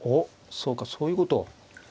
そうかそういうこと。